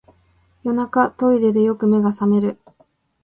夜中、トイレでよく目が覚める